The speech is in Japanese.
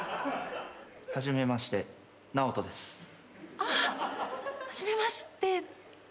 あっ初めまして。